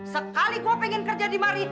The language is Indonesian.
sekali gue pengen kerja di mari